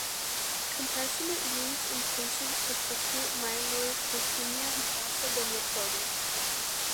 Compassionate use in patients with acute myeloid leukemia has also been reported.